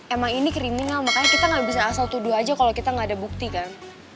emang ini kriminal makanya kita nggak bisa asal tuduh aja kalau kita nggak ada bukti kan